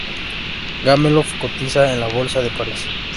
Gameloft cotiza en la bolsa de París.